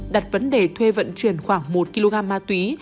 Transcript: đặt vấn đề thuê vận chuyển khoảng một kg ma túy